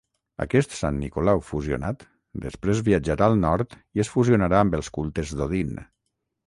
Aquest Sant Nicolau fusionat després viatjarà al nord i es fusionarà amb els cultes d'Odin.